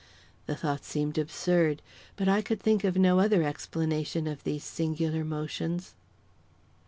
The thought seemed absurd. But I could think of no other explanation of these singular motions.